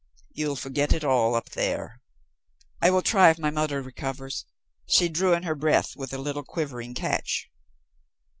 "You'll forget it all up there." "I will try if my mother recovers." She drew in her breath with a little quivering catch.